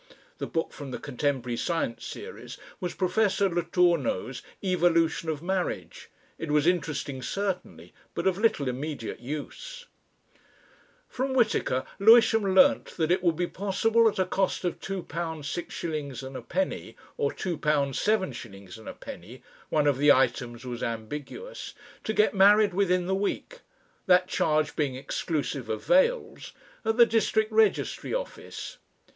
(The book from the Contemporary Science Series was Professor Letourneau's "Evolution of Marriage." It was interesting certainly, but of little immediate use.) From Whitaker Lewisham learnt that it would be possible at a cost of £2, 6s. 1d. or £2, 7s. 1d. (one of the items was ambiguous) to get married within the week that charge being exclusive of vails at the district registry office.